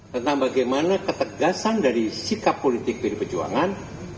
tentang bagaimana ketegasan dari sikap politik pdi perjuangan